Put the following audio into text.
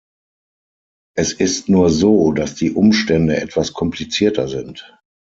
Es ist nur so, dass die Umstände etwas komplizierter sind.